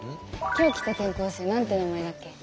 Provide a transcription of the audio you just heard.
今日来た転校生なんて名前だっけ？